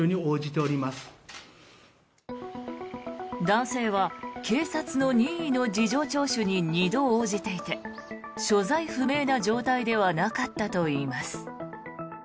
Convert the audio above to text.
男性は警察の任意の事情聴取に２度応じていて所在不明な状態ではなかったといいます。